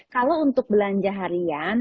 kalau untuk belanja harian